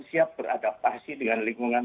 siap beradaptasi dengan lingkungan